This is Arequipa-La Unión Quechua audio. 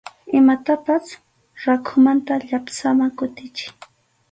Imatapas rakhumanta llapsaman tukuchiy.